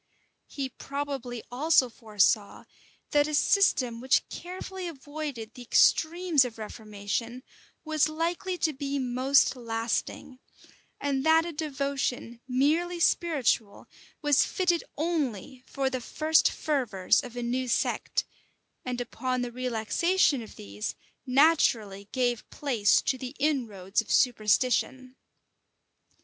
He probably also foresaw, that a system which carefully avoided the extremes of reformation, was likely to be most lasting; and that a devotion, merely spiritual, was fitted only for the first fervors of a new sect, and upon the relaxation of these naturally gave place to the inroads of superstition.